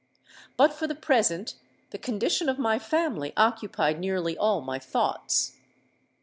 But for the present the condition of my family occupied nearly all my thoughts.